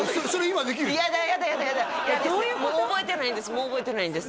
もう覚えてないんです